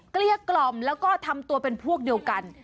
เกลี้ยกล่อมแล้วก็ทำตัวเป็นพวกเดียวกัน